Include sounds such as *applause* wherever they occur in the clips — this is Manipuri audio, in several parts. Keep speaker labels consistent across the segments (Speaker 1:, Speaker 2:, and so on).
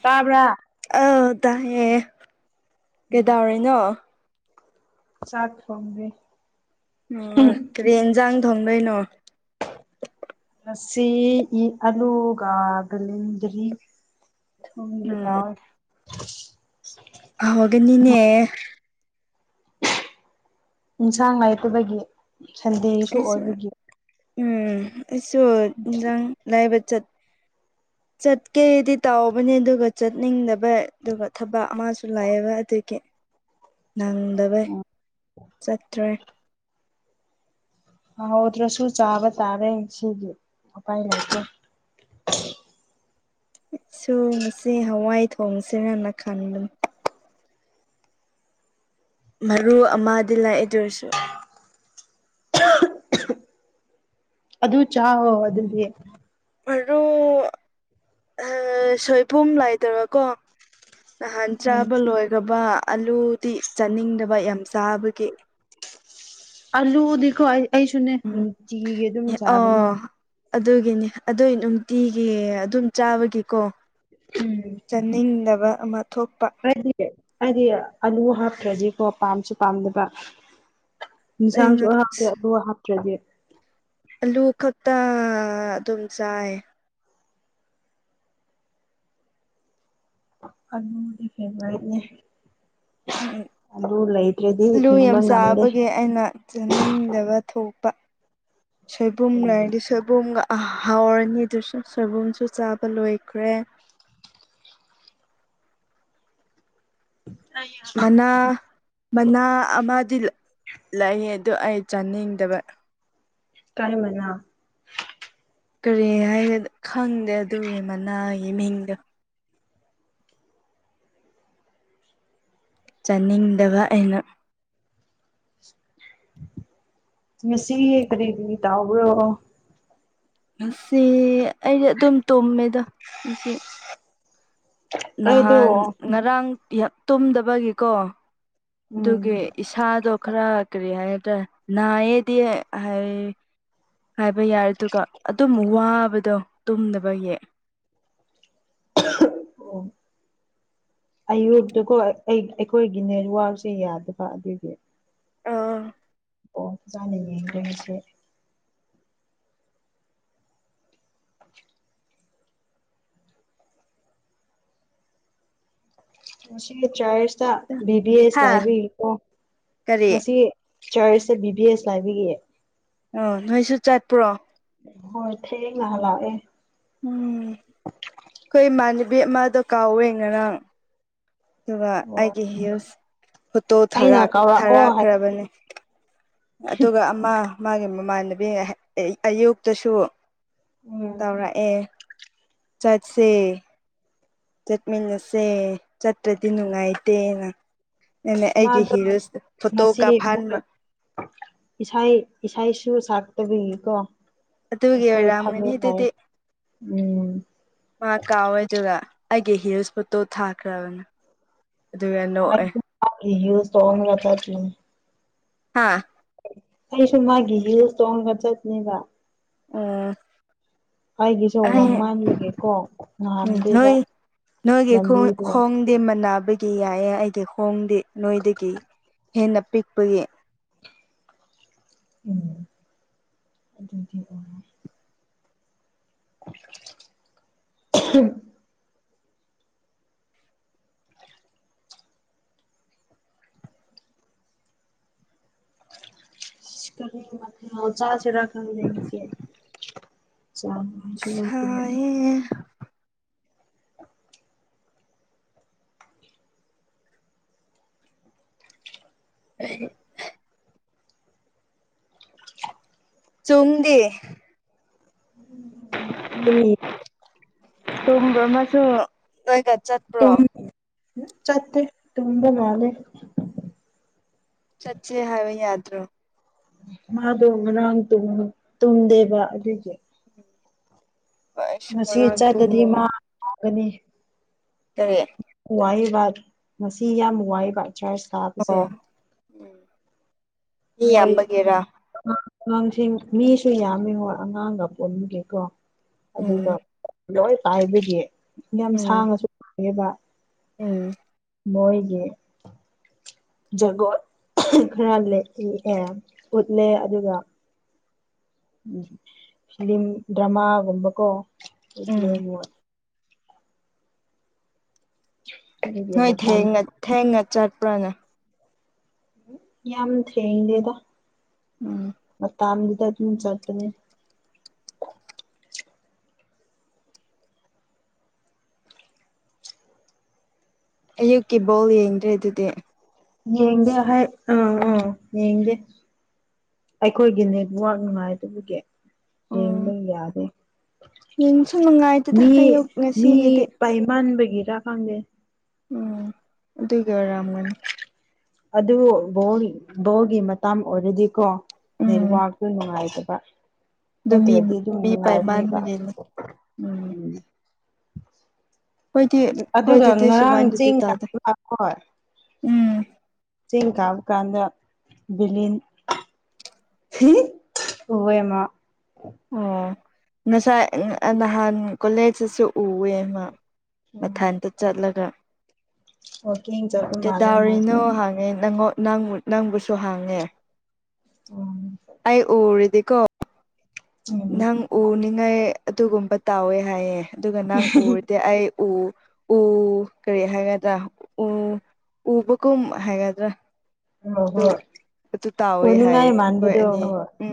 Speaker 1: ꯇꯥꯕ꯭ꯔꯥ
Speaker 2: ꯑꯧ ꯇꯥꯏꯌꯦ
Speaker 1: ꯎꯝ
Speaker 2: ꯀꯩꯗꯧꯔꯤꯅꯣ
Speaker 1: ꯆꯥꯛ ꯊꯣꯡꯉꯤꯌꯦ
Speaker 2: ꯑꯣ ꯀꯔꯤ ꯏꯟꯖꯥꯡ ꯊꯣꯡꯗꯣꯏꯅꯣ
Speaker 1: ꯁꯤ ꯏ ꯑꯂꯨꯒ ꯒꯂꯤꯒꯔꯤ ꯊꯣꯡꯒꯦ
Speaker 2: ꯎꯝ
Speaker 1: ꯇꯧꯋꯦ
Speaker 2: ꯍꯥꯎꯒꯅꯤꯅꯦ
Speaker 1: ꯏꯟꯁꯥꯡ ꯂꯩꯇꯕꯒꯤ ꯁꯟꯗꯦꯁꯨ
Speaker 2: ꯑꯩꯁꯨ
Speaker 1: ꯑꯣꯏꯕꯒꯤ
Speaker 2: ꯎꯝ ꯑꯩꯁꯨ ꯏꯟꯖꯥꯡ ꯂꯩꯕ ꯆꯠ ꯆꯠꯀꯦꯗꯤ ꯇꯧꯕꯅꯦ ꯑꯗꯨꯒ ꯆꯠꯅꯤꯡꯗꯕ ꯑꯗꯨꯒ ꯊꯕꯛ ꯑꯃꯁꯨ ꯂꯩꯕ ꯑꯗꯨꯒꯤ ꯅꯪꯗꯕꯩ ꯆꯠꯇ꯭ꯔꯦ
Speaker 1: ꯍꯍꯧꯗ꯭ꯔꯁꯨ ꯆꯥꯕ ꯇꯥꯔꯦ ꯁꯤꯒꯤ ꯎꯄꯥꯏ ꯂꯩꯇꯦ
Speaker 2: *inaudible* ꯑꯩ ꯁꯨ ꯉꯁꯤ ꯍꯋꯥꯏ ꯊꯣꯡꯁꯤꯔꯅ ꯈꯟꯕꯅꯤ ꯃꯔꯨ ꯑꯃꯥꯗꯤ ꯂꯩ ꯑꯗꯨ ꯑꯣꯏꯁꯨ
Speaker 1: ꯑꯗꯨ ꯆꯥꯑꯣ ꯑꯗꯨꯗꯤ
Speaker 2: ꯃꯔꯨ ꯁꯣꯏꯕꯨꯝ ꯂꯩꯇꯕꯀꯣ ꯅꯍꯥꯟ
Speaker 1: ꯎꯝ
Speaker 2: ꯆꯥꯕ ꯂꯣꯏꯈ꯭ꯔꯕ ꯑꯂꯨꯗꯤ ꯆꯥꯅꯤꯡꯗꯕ ꯌꯥꯝ ꯆꯥꯕꯒꯤ
Speaker 1: ꯑꯥꯂꯨꯗꯤꯀꯣ ꯑꯩ ꯑꯩꯁꯨꯅꯦ
Speaker 2: ꯎꯝ
Speaker 1: ꯅꯨꯡꯇꯤꯒꯤ ꯑꯗꯨꯝ ꯆꯥꯕꯅꯦ
Speaker 2: ꯑꯗꯨꯒꯤꯅꯦ ꯑꯗꯨꯏ ꯅꯨꯡꯇꯤꯒꯤ ꯑꯗꯨꯝ ꯆꯥꯕꯒꯤꯀꯣ
Speaker 1: ꯎꯝ
Speaker 2: ꯆꯥꯅꯤꯡꯗꯕ ꯑꯃ ꯊꯣꯛꯄ
Speaker 1: ꯑꯩꯗꯤ ꯑꯩꯗꯤ ꯑꯂꯨ ꯍꯥꯞꯇ꯭ꯔꯗꯤꯀꯣ ꯄꯥꯝꯁꯨ ꯄꯥꯝꯗꯕ ꯏꯟꯁꯥꯡꯁꯨ
Speaker 2: ꯑꯩꯅ
Speaker 1: ꯍꯥꯞꯇꯦ ꯑꯗꯨ ꯍꯥꯞꯇ꯭ꯔꯥꯗꯤ
Speaker 2: ꯇꯥ ꯑꯗꯨꯝ ꯆꯥꯏ
Speaker 1: ꯑꯗꯨꯗꯤ ꯐꯦꯕꯔꯥꯏꯠꯅꯦ
Speaker 2: ꯂꯨ ꯌꯥꯝ
Speaker 1: ꯍꯤꯡꯕ ꯉꯝꯗꯦ
Speaker 2: ꯆꯥꯕꯒꯤ ꯑꯩꯅ ꯆꯥꯅꯤꯡꯗꯕ ꯊꯣꯛ ꯁꯣꯏꯕꯨꯝ ꯂꯩꯔꯗꯤ ꯁꯣꯏꯕꯨꯝꯒ ꯑꯍꯥꯎꯔꯅꯤ ꯑꯗꯨꯁꯨ ꯁꯣꯏꯕꯨꯝꯁꯨ ꯆꯥꯕ ꯂꯣꯏꯈ꯭ꯔꯦ ꯃꯅꯥ ꯃꯅꯥ ꯑꯃꯗꯤ ꯂꯩꯌꯦ ꯑꯗꯨ ꯑꯩ ꯆꯥꯅꯤꯡꯗꯕ
Speaker 1: ꯀꯩ ꯃꯅꯥ
Speaker 2: ꯀꯔꯤ ꯍꯥꯏꯒ ꯈꯪꯗꯦ ꯑꯗꯨꯒꯤ ꯃꯅꯥꯒꯤ ꯃꯤꯡꯗꯣ ꯆꯥꯅꯤꯡꯗꯕ ꯑꯩꯅ
Speaker 1: ꯉꯁꯤ ꯀꯔꯤ ꯀꯔꯤ ꯇꯧꯍꯧꯕ꯭ꯔꯣ
Speaker 2: ꯉꯁꯤ ꯑꯩꯗꯤ ꯑꯗꯨꯝ ꯇꯨꯝꯃꯦꯗ ꯉꯁꯤ
Speaker 1: ꯑꯩꯗꯣ
Speaker 2: ꯅꯍꯥꯟ ꯉꯔꯥꯡ ꯌꯥꯝ ꯇꯨꯝꯗꯕꯒꯤꯀꯣ
Speaker 1: ꯎꯝ
Speaker 2: ꯑꯗꯨꯒꯤ ꯏꯁꯥꯗꯣ ꯈꯔ ꯀꯔꯤ ꯍꯥꯏ ꯇ ꯅꯥꯌꯦꯗꯤ ꯍꯥꯏ ꯍꯥꯏꯕ ꯌꯥꯏ ꯑꯗꯨꯒ ꯑꯗꯨꯝ ꯋꯥꯕꯗꯣ ꯇꯨꯝꯗꯕꯒꯤ *inaudible*
Speaker 1: ꯑꯣ
Speaker 2: *inaudible*
Speaker 1: ꯑꯌꯨꯛꯇꯀꯣ ꯑꯩ ꯑꯩꯈꯣꯏꯒꯤ ꯅꯦꯠꯋꯥꯛꯁꯦ ꯌꯥꯗꯕ ꯑꯗꯨꯒꯤ
Speaker 2: ꯑꯥ
Speaker 1: ꯑꯣ ꯆꯥꯅꯤꯡꯉꯦ ꯅꯣꯏꯒꯤꯁꯦ ꯉꯁꯤ ꯆꯔ꯭ꯅꯟꯁꯇ ꯕꯤ ꯕꯤ ꯑꯦꯁ
Speaker 2: ꯍꯥ
Speaker 1: ꯂꯥꯏꯕ꯭ꯔꯤ ꯀꯣ
Speaker 2: ꯀꯔꯤ
Speaker 1: ꯉꯁꯤ ꯆꯔ꯭ꯁꯇ ꯕꯤꯕꯤ ꯑꯦ ꯏꯁ ꯂꯥꯏꯕꯒꯤ
Speaker 2: ꯑꯣ ꯅꯣꯏꯁꯨ ꯆꯠꯄ꯭ꯔꯣ
Speaker 1: ꯍꯣꯏ ꯊꯦꯡꯅꯍꯜꯂꯥꯛꯑꯦ
Speaker 2: ꯎꯝ ꯑꯩꯈꯣꯏ ꯏꯃꯥꯟꯅꯕꯤ ꯑꯃꯗꯣ ꯀꯥꯎꯋꯦ ꯉꯔꯥꯡ ꯑꯗꯨꯒ
Speaker 1: ꯑꯣ
Speaker 2: ꯑꯩꯒꯤ ꯍꯤꯂ꯭ꯁ ꯐꯣꯇꯣ
Speaker 1: ꯑꯩꯅ
Speaker 2: ꯊꯔꯥꯛ
Speaker 1: ꯀꯧꯔꯛꯑꯣ ꯍꯥꯏ
Speaker 2: ꯊꯔꯥꯛꯈ꯭ꯔꯕꯅꯤ ꯑꯗꯨꯒ ꯑꯃ ꯃꯥꯒꯤ ꯃꯃꯥꯟꯅꯕꯤ ꯑꯌꯨꯛꯇꯁꯨ
Speaker 1: ꯎꯝ
Speaker 2: ꯇꯧꯔꯛꯑꯦ ꯆꯠꯁꯦ ꯆꯠꯃꯤꯟꯅꯁꯦ ꯆꯠꯇ꯭ꯔꯗꯤ ꯅꯨꯡꯉꯥꯏꯇꯦꯅ ꯑꯩꯒꯤ
Speaker 1: ꯃꯥꯗꯣ
Speaker 2: ꯍꯤꯂ꯭ꯁ ꯐꯣꯇꯣ
Speaker 1: ꯉꯁꯤ ꯃꯣꯏ
Speaker 2: ꯀꯥꯐꯟꯕ
Speaker 1: ꯏꯁꯩ ꯏꯁꯩꯁꯨ ꯁꯛꯄꯕꯒꯤ ꯀꯣ
Speaker 2: ꯑꯗꯨꯒꯤ ꯑꯣꯏꯔꯥꯝꯒꯅꯤ ꯑꯗꯨꯗꯤ
Speaker 1: ꯎꯝ
Speaker 2: ꯃ ꯀꯥꯎꯋꯦ ꯑꯗꯨꯒ ꯑꯩꯒꯤ ꯍꯤꯂꯁ ꯐꯣꯇꯣ ꯊꯥꯈ꯭ꯔꯕꯅꯦ ꯑꯗꯨꯒ ꯅꯣꯛꯑꯦ
Speaker 1: ꯑꯩꯒꯤ ꯍꯤꯂꯁ ꯇꯣꯡꯉꯥꯒ ꯆꯠꯅꯤ
Speaker 2: ꯍꯥꯥ
Speaker 1: ꯑꯩꯁꯨꯨ ꯃꯥꯒꯤ ꯍꯤꯂꯁ ꯇꯧꯒ ꯆꯠꯅꯤꯕ
Speaker 2: ꯑꯥ
Speaker 1: ꯑꯩꯒꯤꯁꯨ ꯎꯃꯪ ꯃꯥꯟꯂꯒꯦꯀꯣ
Speaker 2: ꯎꯝ
Speaker 1: ꯉꯍꯥꯟꯗꯦꯕ
Speaker 2: ꯅꯣꯏ ꯅꯣꯏꯒꯤ ꯈꯣꯡ ꯈꯣꯡꯗꯤ ꯃꯅꯕꯒꯤ ꯒꯤ ꯌꯥꯏꯌꯦ ꯑꯩꯒꯤ ꯍꯣꯡꯗꯤ ꯅꯣꯏꯗꯒꯤ ꯍꯦꯟꯅ ꯄꯤꯛꯄꯒꯤ
Speaker 1: ꯎꯝ ꯑꯗꯨꯗꯤ ꯑꯣꯏ ꯑꯍꯥꯝ *unintelligible* ꯆꯥꯁꯤꯔ ꯈꯪꯗꯦ ꯉꯁꯤ ꯆꯃꯥ
Speaker 2: ꯁꯥꯏꯌꯦ *unintelligible* ꯆꯨꯡꯗꯤ
Speaker 1: ꯅꯤ
Speaker 2: ꯇꯣꯡꯕꯃꯁꯨ ꯅꯣꯏꯒ ꯆꯠꯄ꯭ꯔꯣ
Speaker 1: ꯆꯠꯇ ꯇꯨꯝꯕ ꯃꯥꯜꯂꯦ
Speaker 2: ꯆꯠꯆꯦ ꯍꯥꯏꯕ ꯌꯥꯗ꯭ꯔꯣ
Speaker 1: ꯃꯥꯗꯣ ꯉꯔꯥꯡ ꯇꯨꯝ ꯇꯨꯝꯗꯦꯕ ꯑꯗꯨꯒꯤ
Speaker 2: ꯑꯩꯁꯨ
Speaker 1: ꯉꯁꯤ
Speaker 2: ꯉꯔꯥꯡ
Speaker 1: ꯆꯠꯂꯗꯤ
Speaker 2: ꯇꯨꯝꯃꯨꯔꯦ
Speaker 1: ꯃꯥ ꯋꯥꯒꯅꯤ
Speaker 2: ꯀꯔꯤ
Speaker 1: ꯋꯥꯌꯦꯕ ꯉꯁꯤ ꯌꯥꯝ ꯋꯥꯏꯕ ꯆ꯭ꯔꯁ ꯀꯥꯕꯁꯦ
Speaker 2: ꯑꯣ ꯎꯝ ꯃꯤ ꯌꯥꯝꯕꯒꯤꯔꯥ
Speaker 1: ꯑꯥꯉꯥꯡꯁꯤꯡ ꯃꯤꯁꯨ ꯌꯥꯝꯃꯤ ꯍꯣꯏ ꯑꯉꯥꯡꯒ ꯄꯨꯟꯕꯒꯤꯀꯣ ꯑꯗꯨꯒ
Speaker 2: ꯎꯝ
Speaker 1: ꯂꯣꯏ ꯄꯥꯏꯕꯒꯤ ꯌꯥꯝ
Speaker 2: ꯎꯝ
Speaker 1: ꯁꯥꯡꯉꯁꯨ ꯄꯥꯏꯌꯦꯕ
Speaker 2: ꯎꯝ
Speaker 1: ꯃꯣꯏꯒꯤ ꯖꯒꯣꯠ *unintelligible* ꯎꯠꯂꯦ ꯑꯗꯨꯒ ꯎꯝ ꯐ꯭ꯂꯤꯝ ꯗ꯭ꯔꯥꯃꯥꯒꯨꯝꯕꯀꯣ ꯎꯠꯂꯦ
Speaker 2: ꯎꯝ
Speaker 1: ꯃꯣꯏ
Speaker 2: ꯅꯣꯏ ꯊꯦꯡꯅ
Speaker 1: *unintelligible*
Speaker 2: ꯊꯦꯡꯅ ꯆꯠꯄ꯭ꯔꯥꯅ
Speaker 1: ꯌꯥꯝ ꯊꯦꯡꯗꯦꯗ
Speaker 2: ꯎꯝ
Speaker 1: ꯇꯥꯝꯗꯨꯗ ꯑꯗꯨꯝ ꯆꯠꯄꯅꯦ
Speaker 2: ꯑꯌꯨꯛꯀꯤ ꯕꯣꯜ ꯌꯦꯡꯗ꯭ꯔꯦ ꯑꯗꯨꯗꯤ
Speaker 1: ꯌꯦꯡꯗꯦ ꯍꯥꯠ ꯑ ꯑꯥ ꯌꯦꯡꯗꯦ ꯑꯩꯈꯣꯏꯒꯤ ꯅꯦꯠꯋꯥꯛ ꯅꯨꯡꯉꯥꯏꯇꯕꯒꯤ
Speaker 2: ꯎꯝ
Speaker 1: ꯌꯦꯡꯕ ꯌꯥꯗꯦ
Speaker 2: ꯌꯦꯡꯁꯨ ꯅꯨꯡꯉꯥꯏꯇꯦꯗ
Speaker 1: ꯃꯤ
Speaker 2: ꯑꯌꯨꯛ
Speaker 1: ꯃꯤ
Speaker 2: ꯉꯁꯤꯒꯤꯗꯤ
Speaker 1: ꯄꯥꯏꯃꯟꯕꯒꯤꯔ ꯈꯪꯗꯦ
Speaker 2: ꯎꯝ ꯑꯗꯨꯒꯤ ꯑꯣꯏꯔꯝꯒꯅꯤ
Speaker 1: ꯑꯗꯨ ꯕꯣꯜ ꯕꯣꯜꯒꯤ ꯃꯇꯝ ꯑꯣꯏꯔꯗꯤꯀꯣ
Speaker 2: ꯎꯝ
Speaker 1: ꯅꯦꯠꯋꯥꯛꯇꯨ ꯅꯨꯡꯉꯥꯏꯇꯕ
Speaker 2: ꯑꯗꯨ ꯃꯤ
Speaker 1: ꯅꯠꯇ꯭ꯔꯗꯤ ꯑꯗꯨꯝ
Speaker 2: ꯃꯤ ꯄꯥꯏ
Speaker 1: ꯅꯨꯡꯉꯥꯏꯕꯅꯦꯕ
Speaker 2: ꯃꯥꯟꯕꯒꯤꯅꯤ
Speaker 1: ꯎꯝ
Speaker 2: ꯍꯣꯏꯗꯤ ꯍꯣꯏ
Speaker 1: ꯑꯗꯨꯒ
Speaker 2: ꯑꯗꯨꯗꯤ
Speaker 1: ꯉꯔꯥꯡ
Speaker 2: ꯁꯨꯃꯥꯏꯅꯗꯤ
Speaker 1: ꯆꯤꯡ
Speaker 2: ꯇꯥꯗꯦ
Speaker 1: ꯀꯥꯕ
Speaker 2: ꯎꯝ
Speaker 1: ꯆꯦꯡ ꯀꯥꯕ ꯀꯥꯟꯗ ꯕꯤꯂꯤꯟ ꯍꯤ ꯍꯤ ꯎꯋꯦ ꯃꯥ
Speaker 2: ꯑꯣ ꯉꯁꯥꯏ ꯅꯍꯥꯟ ꯀꯣꯂꯦꯖꯇꯁꯨ ꯎꯋꯦ ꯃꯥ
Speaker 1: ꯎꯝ
Speaker 2: ꯃꯊꯟꯇ ꯆꯠꯂꯒ
Speaker 1: ꯋꯥꯀꯤꯡ ꯆꯠꯄ
Speaker 2: ꯀꯩ
Speaker 1: ꯃꯥꯜꯂꯦ ꯃꯥꯁꯨ
Speaker 2: ꯗꯧꯔꯤꯅꯣ ꯍꯥꯡꯉꯦ ꯅꯪꯉꯣꯟ ꯅꯪ ꯅꯪꯕꯨꯁꯨ ꯍꯥꯡꯉꯦ
Speaker 1: ꯎꯝ
Speaker 2: ꯑꯩ ꯎꯔꯤꯗꯤꯀꯣ
Speaker 1: ꯎꯝ
Speaker 2: ꯅꯪ ꯎꯅꯤꯡꯉꯥꯏ ꯑꯗꯨꯒꯨꯝꯕ ꯇꯧꯋꯦ ꯍꯥꯏꯌꯦ ꯑꯗꯨꯒ ꯅꯪ ꯎꯔꯗꯤ ꯑꯩ ꯎ ꯎ ꯀꯔꯤ ꯍꯥꯏꯒꯗꯥ ꯎ ꯎꯕꯒꯨꯝ ꯍꯥꯏꯒꯗ꯭ꯔꯥ
Speaker 1: ꯍꯣꯏ
Speaker 2: ꯑꯗꯨ
Speaker 1: ꯍꯣꯏ
Speaker 2: ꯑꯗꯨ ꯇꯥꯎꯋꯦ ꯍꯥꯏꯌꯦ
Speaker 1: ꯎꯅꯤꯡꯉꯥꯏ
Speaker 2: ꯑꯩꯈꯣꯏ
Speaker 1: ꯃꯥꯟꯕꯗꯣ
Speaker 2: ꯑꯅꯤ
Speaker 1: ꯍꯣꯏ
Speaker 2: ꯎꯝ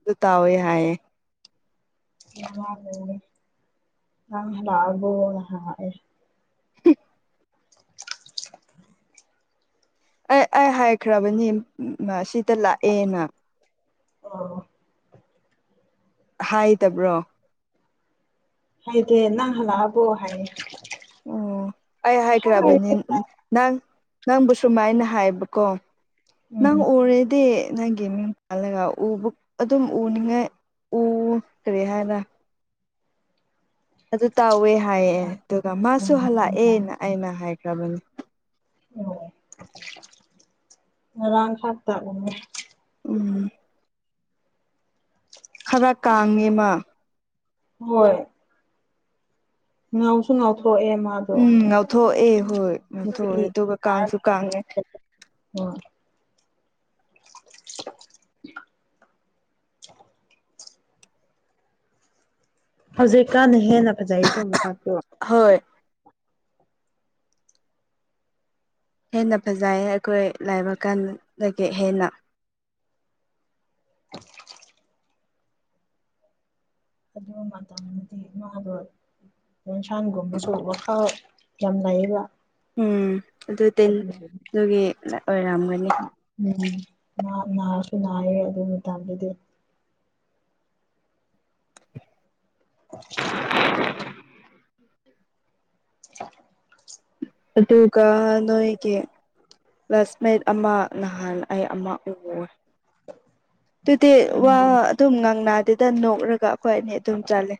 Speaker 2: ꯑꯗꯨ ꯇꯥꯎꯌꯦ ꯍꯥꯏꯌꯦ
Speaker 1: *unintelligible* ꯅꯪ ꯍꯜꯂꯛꯑꯕꯣ ꯍꯥꯡꯉꯛ ꯑꯦ
Speaker 2: ꯍꯨꯝ ꯑꯦ ꯑꯩ ꯍꯥꯏꯈ꯭ꯔꯥꯕꯅꯤ ꯃ ꯁꯤꯗꯥ ꯂꯥꯛꯑꯦꯅ
Speaker 1: ꯑꯣ
Speaker 2: ꯍꯥꯏꯗꯕ꯭ꯔꯣ
Speaker 1: ꯍꯥꯏꯗꯦ ꯅꯪ ꯍꯂꯛꯑꯕꯣ ꯍꯥꯏꯌꯦ
Speaker 2: ꯑꯣ ꯑꯩ
Speaker 1: ꯍꯣꯏ
Speaker 2: ꯍꯥꯏꯈ꯭ꯔꯥꯕꯅꯤ ꯅꯪ ꯅꯪꯕꯨ ꯁꯨꯃꯥꯏꯅ ꯍꯥꯏꯕꯀꯣ ꯅꯪ
Speaker 1: ꯎꯝ
Speaker 2: ꯎꯔꯥꯗꯤ ꯅꯪꯒꯤ ꯃꯤꯡ ꯄꯜꯂꯒ ꯎꯕ ꯑꯗꯨꯝ ꯎꯅꯤꯡꯉꯥꯏ ꯎ ꯀꯔꯤ ꯍꯥꯏꯔ ꯑꯗꯨ ꯇꯧꯋꯦ ꯍꯥꯏꯑꯦ ꯑꯗꯨꯒ ꯃꯥꯁꯨ ꯍꯜꯂꯛꯑꯦꯅ ꯑꯩꯅ ꯍꯥꯏꯈ꯭ꯔꯥꯕꯅꯤ
Speaker 1: ꯑꯣ ꯉꯔꯥꯡ ꯈꯛꯇ ꯎꯌꯦ
Speaker 2: ꯎꯝ ꯈꯔꯥ ꯀꯥꯡꯉꯦꯃ
Speaker 1: ꯍꯣꯏ ꯉꯥꯎꯁꯨ ꯉꯥꯎꯊꯣꯛꯑꯦ ꯃꯥꯗꯣ
Speaker 2: ꯑꯦ ꯍꯣꯏ
Speaker 1: ꯅꯨꯄꯤ
Speaker 2: ꯉꯧꯊꯣꯛꯑꯦ ꯑꯗꯨꯒ ꯀꯥꯡꯁꯨ ꯀꯥꯡꯉꯦ
Speaker 1: ꯍꯣꯢ *unintelligible* ꯍꯧꯖꯤꯛꯀꯥꯟꯅ ꯍꯦꯟꯅ ꯐꯖꯩꯀꯣ ꯃꯁꯥꯛꯇꯣ
Speaker 2: ꯍꯣꯏ ꯍꯦꯟꯅ ꯐꯖꯥꯢ ꯑꯩꯈꯣꯏ ꯂꯥꯏꯕꯀꯟꯗꯒꯤ ꯍꯦꯟꯅ
Speaker 1: ꯑꯗꯨ ꯃꯇꯝꯗꯗꯤ ꯃꯥꯗꯣ ꯌꯦꯟꯁꯥꯡꯒꯨꯝꯕꯁꯨꯕ ꯋꯈꯜ ꯌꯥꯝꯅ ꯂꯩꯌꯦꯕ
Speaker 2: ꯎꯝ ꯑꯗꯨ ꯇꯤꯟ
Speaker 1: ꯑꯗꯨꯒꯤ
Speaker 2: ꯑꯗꯨꯒꯤ ꯑꯣꯏꯔꯝꯒꯅꯤ
Speaker 1: ꯎꯝ ꯃꯥ ꯅꯥꯔꯁꯨ ꯅꯥꯌꯦ ꯑꯗꯨ ꯃꯇꯥꯝꯗꯗꯤ *unintelligible* *unintelligible*
Speaker 2: ꯑꯗꯨꯒ ꯅꯣꯢꯒꯤ ꯀ꯭ꯂꯥꯁꯃꯦꯠ ꯑꯃ ꯅꯍꯥꯟ ꯑꯩ ꯑꯃ ꯎꯌꯦ ꯑꯗꯨꯗꯤ
Speaker 1: ꯀꯅꯥ
Speaker 2: ꯋꯥ ꯑꯗꯨꯝ ꯉꯥꯡꯅꯗꯦꯗ ꯅꯣꯛꯔꯒ ꯈꯣꯏꯅꯤ ꯑꯗꯨꯝ ꯆꯠꯂꯦ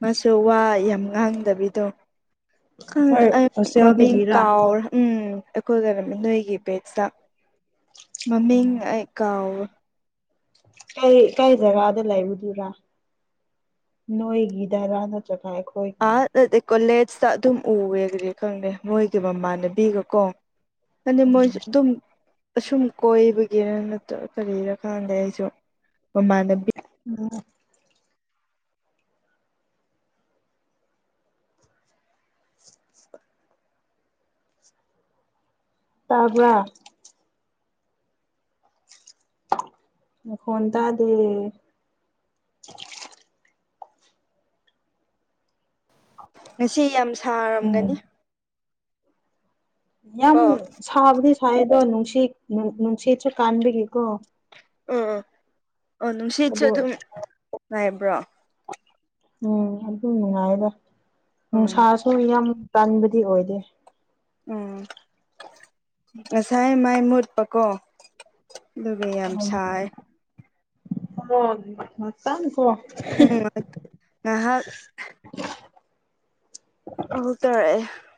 Speaker 2: ꯃꯁꯨ ꯋꯥ ꯌꯥꯝ ꯉꯥꯡꯗꯕꯤꯗꯣ ꯈ
Speaker 1: ꯑꯩꯈꯣꯏ
Speaker 2: *unintelligible* ꯑꯩ ꯃꯃꯤꯡ
Speaker 1: ꯍꯣꯁꯇꯦꯜꯗꯒꯤꯔꯥ
Speaker 2: ꯀꯥꯎꯔꯦ ꯎꯝ ꯑꯩꯈꯣꯏꯒ *unintelligible* ꯅꯣꯢꯒꯤ ꯕꯦꯖꯇ ꯃꯃꯤꯡ
Speaker 1: ꯎꯝ
Speaker 2: ꯑꯩ ꯀꯥꯎ
Speaker 1: ꯀꯩ ꯀꯩ ꯖꯒꯥꯗ ꯂꯩꯕꯗꯨꯔꯥ ꯅꯣꯏꯒꯤ ꯗꯔꯥ ꯅꯠꯇ꯭ꯔꯒ ꯑꯩꯈꯣꯏꯒꯤ
Speaker 2: ꯑꯥ ꯅꯠꯇꯦ ꯀꯣꯂꯦ ꯁꯇ ꯑꯗꯨꯝ ꯎꯋꯦ ꯑꯗꯨꯗꯤ ꯈꯪꯗꯦ ꯃꯣꯏꯒꯤ ꯃꯃꯥꯟꯅꯕꯤꯒꯀꯣ ꯑꯗꯨ ꯃꯣꯏꯁꯨ ꯑꯗꯨꯝ ꯑꯁꯨꯝ ꯀꯣꯏꯕꯒꯤꯔ ꯅꯠꯇ꯭ꯔꯒ ꯀꯔꯤꯔ ꯈꯪꯗꯦ ꯑꯩꯁꯨ ꯃꯃꯥꯟꯅꯕꯤ
Speaker 1: ꯎꯝ ꯇꯥꯕ꯭ꯔ ꯃꯈꯣꯟ ꯇꯥꯗꯦ
Speaker 2: ꯉꯁꯤ ꯌꯥꯝ
Speaker 1: ꯎꯝ
Speaker 2: ꯁꯥꯔꯝꯒꯅꯤ
Speaker 1: ꯌꯥꯝ
Speaker 2: ꯀꯣ
Speaker 1: ꯁꯥꯕꯗꯤ ꯁꯥꯏ ꯑꯗꯣ ꯅꯨꯡꯁꯤꯠ ꯅꯨꯡꯁꯤꯠꯁꯨ ꯀꯥꯟꯕꯒꯤꯀꯣ
Speaker 2: ꯎꯝ ꯑꯣ ꯅꯨꯡꯁꯤꯠꯁꯨ
Speaker 1: ꯑꯗꯣ
Speaker 2: ꯑꯗꯨꯝ ꯉꯥꯏꯕ꯭ꯔꯣ
Speaker 1: ꯎꯝ ꯑꯗꯨꯅꯨꯡꯉꯥꯏꯗ
Speaker 2: ꯎꯝ
Speaker 1: ꯅꯨꯡꯁꯥꯁꯨ ꯌꯥꯝ ꯀꯟꯕꯗꯤ ꯑꯣꯏꯗꯦ
Speaker 2: ꯎꯝ ꯉꯁꯥꯏ ꯃꯥꯏ ꯃꯨꯠꯄꯀꯣ ꯑꯗꯨꯒ ꯌꯥꯝ ꯁꯥꯏ
Speaker 1: *unintelligible*
Speaker 2: ꯎꯝ
Speaker 1: ꯑꯣ
Speaker 2: ꯉꯥꯏꯍꯥꯛ
Speaker 1: *unintelligible*
Speaker 2: ꯀꯜ ꯇꯧꯔꯦ *unintelligible*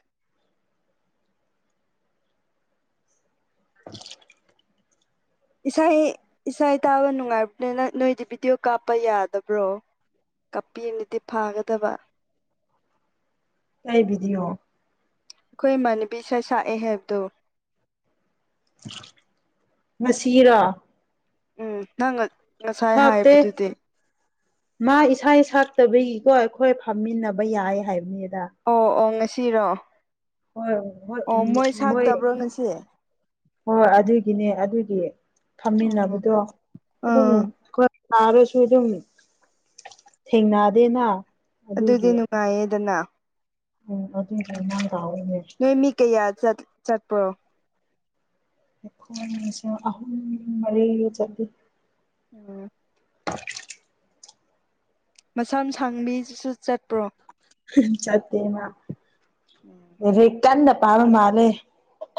Speaker 1: *unintelligible*
Speaker 2: ꯏꯁꯩ ꯏꯁꯩ ꯇꯥꯕ ꯅꯨꯡꯉꯥꯏꯕꯅꯦ ꯅꯣꯏꯗꯤ ꯚꯤꯗꯤꯑꯣ ꯀꯥꯞꯄ ꯌꯥꯗꯕ꯭ꯔꯣ ꯀꯞꯄꯤꯅꯗꯤ ꯐꯥꯒꯗꯕ
Speaker 1: ꯀꯩ ꯚꯤꯗꯤꯌꯣ
Speaker 2: ꯑꯩꯈꯣꯏ ꯃꯥꯟꯅꯕꯤ ꯢꯁꯩꯁꯥꯛꯑꯦ ꯍꯥꯏꯕꯗꯣ
Speaker 1: ꯉꯁꯤꯔꯥ
Speaker 2: ꯎꯝ ꯅꯪꯒ ꯉꯁꯥꯏ ꯍꯥꯏꯕꯗꯨꯗꯤ
Speaker 1: ꯃꯥ ꯏꯁꯥꯢ ꯁꯛꯇꯕꯒꯤꯀꯣ ꯑꯩꯈꯣꯏ ꯐꯝꯃꯤꯟꯅꯕ ꯌꯥꯏ ꯍꯥꯏꯕꯅꯤ
Speaker 2: ꯑꯣ ꯑꯣ ꯉꯁꯤꯔꯣ
Speaker 1: ꯍꯣꯏ ꯍꯣꯏ
Speaker 2: ꯑꯣ ꯃꯣꯏ ꯁꯥꯛꯇꯕ꯭ꯔꯣ ꯉꯁꯤ
Speaker 1: ꯍꯣꯏ ꯑꯗꯨꯒꯤꯅꯦ ꯑꯗꯨꯒꯤ
Speaker 2: ꯑꯣ
Speaker 1: ꯐꯝꯃꯤꯟꯅꯕꯗꯣ ꯑꯗꯨꯝ
Speaker 2: ꯑꯥ
Speaker 1: *unintelligible* ꯁꯥꯔꯁꯨ ꯑꯗꯨꯝ ꯊꯦꯡꯅꯥꯗꯦꯅ
Speaker 2: ꯑꯗꯨꯗꯤ ꯅꯨꯡꯉꯥꯏꯌꯦꯗꯅ
Speaker 1: *unintelligible*
Speaker 2: ꯅꯣꯏ ꯃꯤ ꯀꯩꯌꯥ ꯆꯠ ꯆꯠꯄ꯭ꯔꯣ
Speaker 1: *unintelligible* ꯑꯍꯨꯝ ꯃꯔꯤ ꯆꯠꯂꯤ
Speaker 2: ꯎꯝ
Speaker 1: *unintelligible*
Speaker 2: ꯃꯁꯝ ꯁꯥꯡꯕꯤꯗꯨꯁꯨ ꯆꯠꯄ꯭ꯔꯣ
Speaker 1: ꯆꯠꯇꯦ ꯃꯥ
Speaker 2: ꯎꯝ
Speaker 1: ꯂꯥꯏꯔꯤꯛ ꯀꯟꯅ ꯄꯥꯕ ꯃꯥꯜꯂꯦ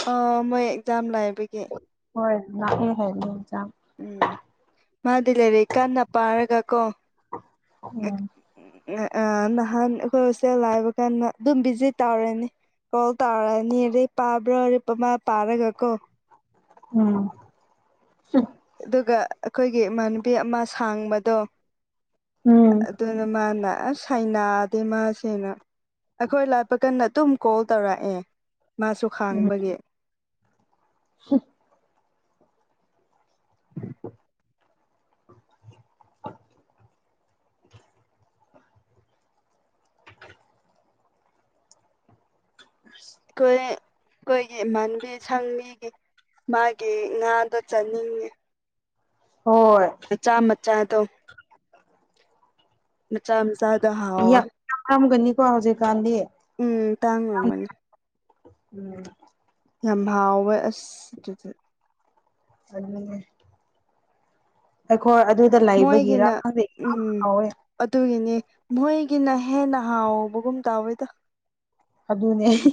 Speaker 2: ꯑ ꯃꯣꯏ ꯑꯦꯛꯖꯥꯝ ꯂꯩꯕꯒꯤ
Speaker 1: ꯍꯣꯏ *unintelligible*
Speaker 2: ꯎꯝ ꯃꯥꯗꯤ ꯂꯥꯢꯔꯤꯛ ꯀꯟꯅ ꯄꯥꯔꯒ ꯀꯣ
Speaker 1: ꯎꯝ
Speaker 2: *unintelligible* ꯑ ꯅꯍꯥꯟ ꯑꯩꯈꯣꯏ ꯍꯣꯁꯇꯦꯜ ꯂꯥꯢꯕ ꯀꯥꯟꯗ ꯑꯗꯨꯝ ꯚꯤꯖꯤꯠ ꯇꯧꯔꯤꯅꯤ ꯀꯣꯜ ꯇꯧꯔꯅꯤ ꯑꯗꯩ ꯄꯥꯕ꯭ꯔꯣ ꯃꯥ ꯄꯥꯔꯒ ꯀꯣ
Speaker 1: ꯎꯝ
Speaker 2: ꯑꯗꯨꯒ ꯑꯩꯈꯣꯏꯒꯤ ꯏꯃꯥꯟꯅꯕꯤ ꯑꯃ ꯁꯥꯡꯕꯗꯣ
Speaker 1: ꯎꯝ
Speaker 2: ꯑꯗꯨꯅ ꯃꯥꯅ ꯑꯁ ꯍꯩꯅꯥꯗꯦ ꯃꯥꯁꯦꯅ ꯑꯩꯈꯣꯏ ꯂꯥꯄ ꯀꯟꯗ ꯑꯗꯨꯝ ꯀꯣꯜ ꯇꯧꯔꯛꯑꯦ ꯃꯥꯁꯨ ꯈꯥꯡꯕꯒꯤ
Speaker 1: ꯍꯨꯝ *unintelligible*
Speaker 2: ꯀꯨꯢꯑꯦ ꯑꯩꯈꯣꯏꯒꯤ ꯏꯃꯥꯟꯕꯤ ꯁꯪꯕꯤꯒꯤ ꯃꯥꯒꯤ ꯉꯥꯗꯣ ꯆꯥꯅꯤꯡꯉꯤ
Speaker 1: ꯍꯣꯏ
Speaker 2: ꯆꯥꯗꯣꯡ ꯃꯆꯥ ꯃꯆꯥ ꯍꯥꯎꯋꯦ
Speaker 1: ꯌꯥꯝ ꯌꯥꯝ *unintelligible* ꯒꯅꯤꯀꯣ ꯍꯧꯖꯤꯛ ꯀꯥꯟꯗꯤ
Speaker 2: ꯎꯝ ꯇꯥꯡꯔꯝꯒꯅꯤ
Speaker 1: ꯎꯝ
Speaker 2: ꯌꯥꯝ ꯍꯥꯎꯋꯦ ꯑꯁ ꯑꯗꯨꯗꯤ
Speaker 1: ꯑꯗꯨꯅꯦ ꯑꯩꯈꯣꯏ ꯑꯗꯨꯗ ꯂꯩꯕꯒꯤꯔ
Speaker 2: ꯃꯣꯏꯒꯤꯅ
Speaker 1: ꯈꯪꯗꯦ ꯏꯍꯥꯎ
Speaker 2: ꯎꯝ
Speaker 1: ꯍꯥꯎꯋꯦ
Speaker 2: ꯑꯗꯨꯒꯤꯅꯤ ꯃꯣꯏꯒꯤꯅ ꯍꯦꯟꯅ ꯍꯥꯎꯕꯒꯨꯝ ꯇꯧꯋꯦꯗ
Speaker 1: ꯑꯗꯨꯅꯦ ꯍꯦ